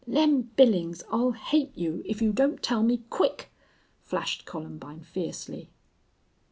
"Lem Billings, I'll hate you if you don't tell me quick," flashed Columbine, fiercely.